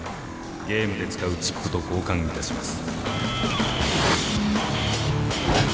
ゲームで使うチップと交換いたします。